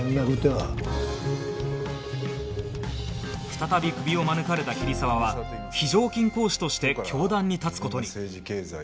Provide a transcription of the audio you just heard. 再びクビを免れた桐沢は非常勤講師として教壇に立つ事に